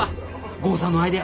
豪さんのアイデア